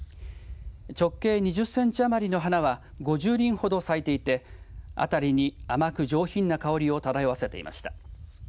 直径２０センチ余りの花は５０輪ほど咲いていてあたりに甘く上品な香りを漂わせていました。